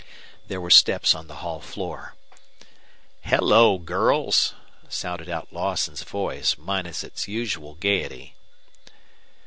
There were steps on the hall floor. "Hello, girls!" sounded out Lawson's voice, minus its usual gaiety.